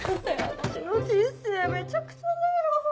私の人生めちゃくちゃだよ。